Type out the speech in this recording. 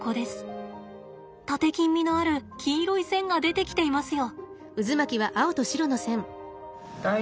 タテキン味のある黄色い線が出てきていますよ。